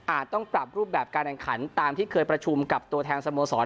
ต้องปรับรูปแบบการแข่งขันตามที่เคยประชุมกับตัวแทนสโมสร